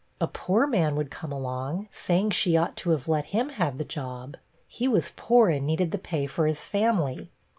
A poor man would come along, saying she ought to have let him have the job; he was poor, and needed the pay for his family.